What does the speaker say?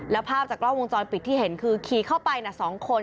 แล้วภาพจากกล้องวงจรปิดที่เห็นคือขี่เข้าไป๒คน